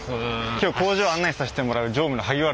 今日工場を案内させてもらう常務の萩原と申します。